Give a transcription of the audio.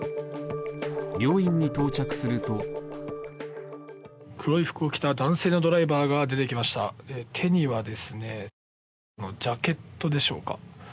病院に到着すると黒い服を着た男性のドライバーが出てきました手にはですね、ジャケットでしょうか？